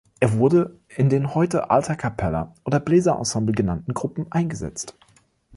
Er wurde in den heute Alta Capella oder Bläserensemble genannten Gruppen eingesetzt.